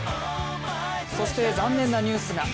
そして残念なニュースが。